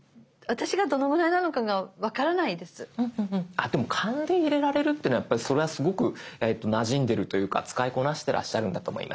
あっでも勘で入れられるっていうのはやっぱりそれはすごくなじんでいるというか使いこなしてらっしゃるんだと思います。